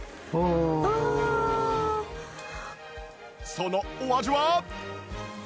そのお味は？